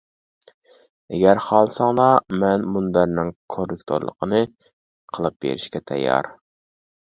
ئەگەر خالىساڭلار، مەن مۇنبەرنىڭ كوررېكتورلۇقىنى قىلىپ بېرىشكە تەييار!